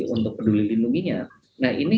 untuk peduli lindunginya nah ini